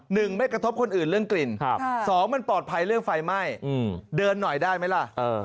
ไม่กระทบคนอื่นเรื่องกลิ่นสองมันปลอดภัยเรื่องไฟไหม้เดินหน่อยได้ไหมล่ะ